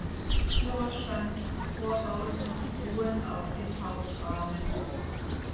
Führerstand und Vorbauten ruhen auf dem Hauptrahmen.